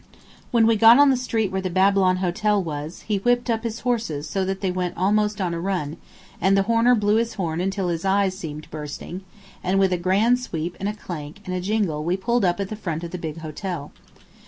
When we got on the street where the Babylon Hotel was he whipped up his horses so that they went almost on a run, and the horner blew his horn until his eyes seemed bursting, and with a grand sweep and a clank and a jingle we pulled up at the front of the big hotel.